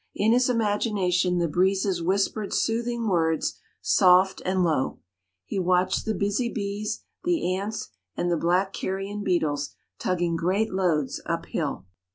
In his imagination the breezes whispered soothing words, soft and low. He watched the busy bees, the ants, and the black carrion beetles tugging great loads up hill.